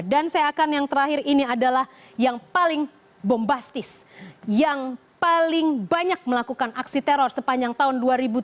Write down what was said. dan saya akan yang terakhir ini adalah yang paling bombastis yang paling banyak melakukan aksi teror sepanjang tahun dua ribu tujuh belas